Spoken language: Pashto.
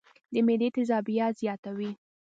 د معدې تېزابيت زياتوي